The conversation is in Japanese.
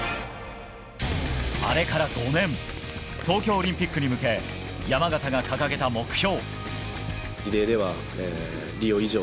あれから５年東京オリンピックに向け山縣が掲げた目標。